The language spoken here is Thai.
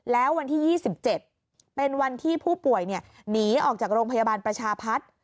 แล้ววันที่๒๗เป็นวันที่ผู้ป่วยหนีออกจากโรงพยาบาลประชาพัฒน์